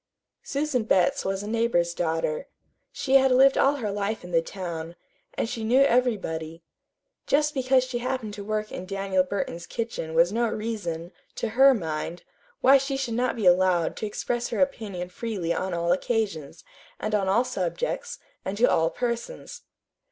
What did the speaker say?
Susan Betts was a neighbor's daughter. She had lived all her life in the town, and she knew everybody. Just because she happened to work in Daniel Burton's kitchen was no reason, to her mind, why she should not be allowed to express her opinion freely on all occasions, and on all subjects, and to all persons.